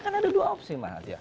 kan ada dua opsi